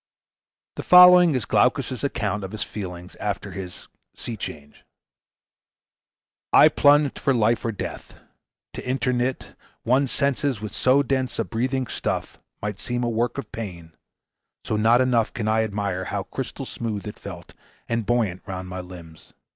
The following is Glaucus's account of his feelings after his "sea change": "I plunged for life or death. To interknit One's senses with so dense a breathing stuff Might seem a work of pain; so not enough Can I admire how crystal smooth it felt, And buoyant round my limbs.